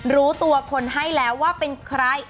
รู้ตัวคนให้แล้วว่าเป็นใคร